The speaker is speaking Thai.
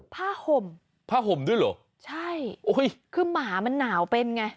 ผ้าห่มผ้าห่มด้วยเหรอใช่โอ้ยคือหมามันหนาวเป็นไง